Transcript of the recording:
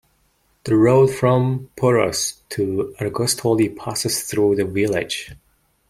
The road from Poros to Argostoli passes through the village.